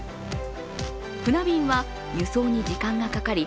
船便は、輸送に時間がかかり